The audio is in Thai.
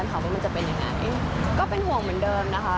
วันก่อนเพิ่งเจอกันก็ปกติดีค่ะ